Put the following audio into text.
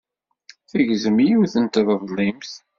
Tegzem yiwet n treḍlimt.